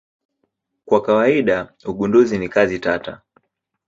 Kwa kawaida ugunduzi ni kazi tata.